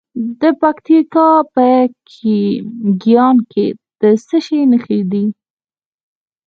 د پکتیکا په ګیان کې د څه شي نښې دي؟